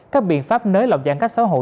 các biện pháp nới lọc giãn cách xã hội